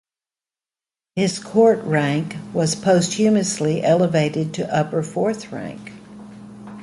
His court rank was posthumously was elevated to Upper Fourth Rank.